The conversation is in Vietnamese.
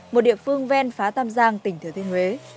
một địa phương ven phá tam giang tỉnh thừa thiên huế